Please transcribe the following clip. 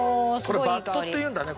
これバットっていうんだね